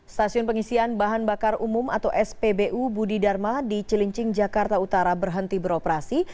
stasiun pengisian bahan bakar umum atau spbu budi dharma di cilincing jakarta utara berhenti beroperasi